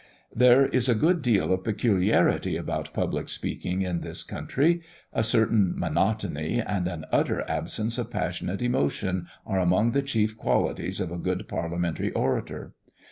There is a good deal of peculiarity about public speaking in this country. A certain monotony, and an utter absence of passionate emotion, are among the chief qualities of a good parliamentary orator.